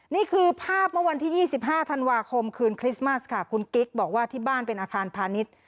นี่คือภาพเมื่อวันที่๒๕ธันวาคมคืนคริสต์มัสค่ะคุณกิ๊กบอกว่าที่บ้านเป็นอาคารพาณิชย์